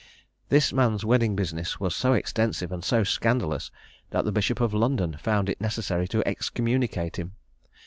This man's wedding business was so extensive and so scandalous, that the Bishop of London found it necessary to excommunicate him.